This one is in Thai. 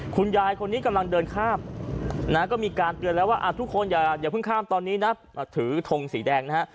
คุณยายคนนี้กำลังเดินข้ามนะก็มีการเตือนแล้วว่าทุกคนอย่าเพิ่งข้ามตอนนี้นะถือทงสีแดงนะฮะ